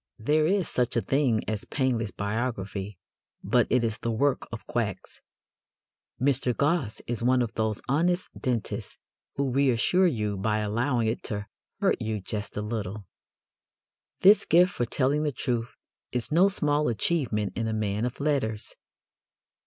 There is such a thing as painless biography, but it is the work of quacks. Mr. Gosse is one of those honest dentists who reassure you by allowing it to hurt you "just a little." This gift for telling the truth is no small achievement in a man of letters.